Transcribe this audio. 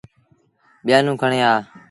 ٻيآنون کڻي آ۔